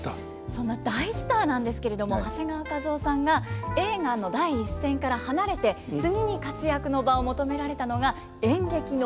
そんな大スターなんですけれども長谷川一夫さんが映画の第一線から離れて次に活躍の場を求められたのが演劇の舞台だということなんです。